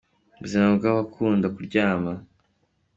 Buzima bwabakunda kuramya